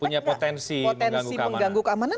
punya potensi mengganggu keamanan